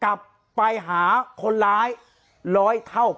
การแก้เคล็ดบางอย่างแค่นั้นเอง